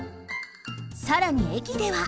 さらにえきでは。